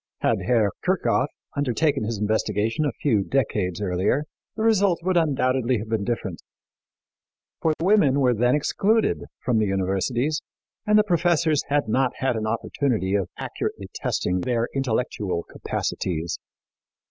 Had Herr Kirchhoff undertaken his investigation a few decades earlier, the result would undoubtedly have been different, for women were then excluded from the universities and the professors had not had an opportunity of accurately testing their intellectual capacities.